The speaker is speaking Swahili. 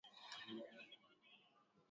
uahidi kutekeleza yale yote ambayo yalifikiwa